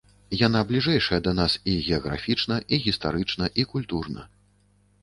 Яна бліжэйшая да нас і геаграфічна, і гістарычна, і культурна.